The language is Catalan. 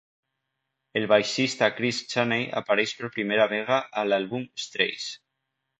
El baixista Chris Chaney apareix per primera vega a l'àlbum "Strays".